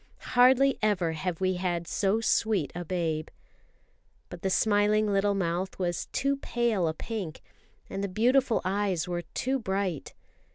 Hardly ever have we had so sweet a babe. But the smiling little mouth was too pale a pink, and the beautiful eyes were too bright.